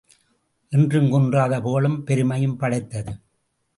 என்றும் குன்றாத புகழும் பெருமையும் படைத்தது.